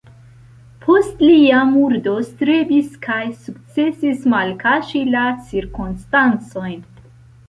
Post lia murdo strebis kaj sukcesis malkaŝi la cirkonstancojn.